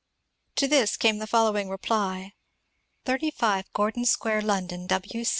To this came the following reply :— 35 Gordon Square, London, W.